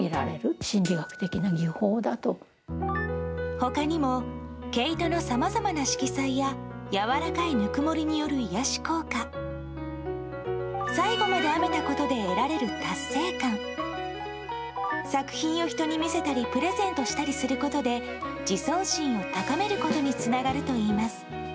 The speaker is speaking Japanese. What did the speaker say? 他にも毛糸のさまざまな色彩ややわらかいぬくもりによる癒やし効果最後まで編めたことで得られる達成感作品を人に見せたりプレゼントしたりすることで自尊心を高めることにつながるといいます。